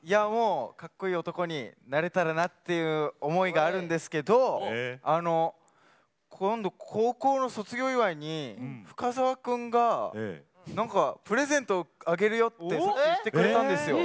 もうかっこいい男になれたらなという思いがあるんですけど、今度高校の卒業祝いに深澤君がプレゼントをあげるよって言ってくれたんです。